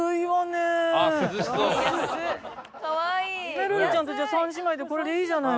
めるるちゃんと３姉妹でこれでいいじゃないの。